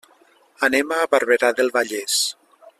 Anem a Barberà del Vallès.